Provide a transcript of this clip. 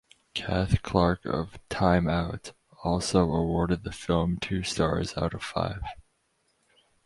Cath Clarke of "Time Out" also awarded the film two stars out of five.